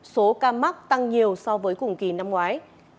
số ca mắc tăng nhiều so với cùng kỳ năm ngoái